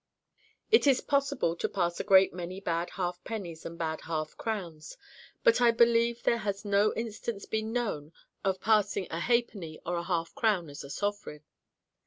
It is possible to pass a great many bad half pennies and bad half crowns, but I believe there has no instance been known of passing a halfpenny or a half crown as a sovereign.